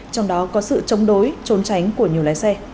trong đó có sự chống đối trốn tránh của nhiều lái xe